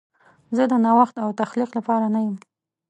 زه د نوښت او تخلیق لپاره نه یم.